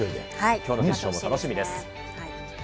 きょうの決勝も楽しみです。